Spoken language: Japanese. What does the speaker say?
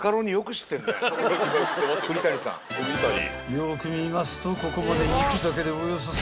［よく見ますとここまで］